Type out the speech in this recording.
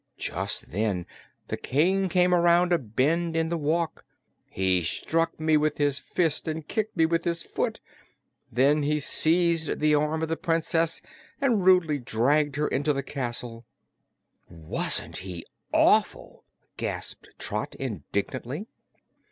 Just then the King came around a bend in the walk. He struck me with his fist and kicked me with his foot. Then he seized the arm of the Princess and rudely dragged her into the castle." "Wasn't he awful!" gasped Trot indignantly.